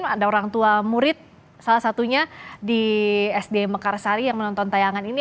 karena ada orang tua murid salah satunya di sdn mekarsari yang menonton tayangan ini